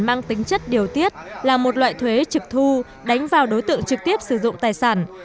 mang tính chất điều tiết là một loại thuế trực thu đánh vào đối tượng trực tiếp sử dụng tài sản